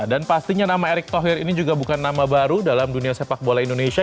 dan pastinya nama erik thohir ini juga bukan nama baru dalam dunia sepak bola indonesia